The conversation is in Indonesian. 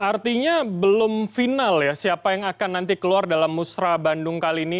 artinya belum final ya siapa yang akan nanti keluar dalam musrah bandung kali ini